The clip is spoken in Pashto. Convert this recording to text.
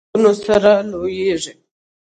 لمسی له ښېګڼو سره لویېږي.